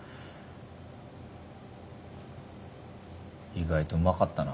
意外とうまかったな。